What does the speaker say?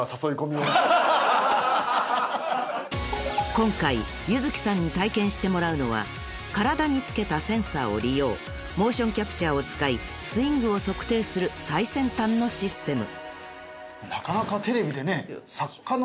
［今回柚月さんに体験してもらうのは体につけたセンサーを利用モーションキャプチャーを使いスイングを測定する最先端のシステム］